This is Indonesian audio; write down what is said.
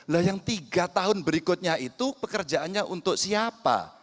nah yang tiga tahun berikutnya itu pekerjaannya untuk siapa